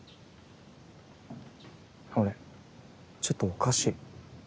俺ちょっとおかしい。